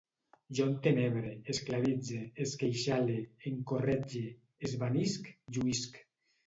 Jo entenebre, esclavitze, esqueixale, encorretge, esvanisc, lluïsc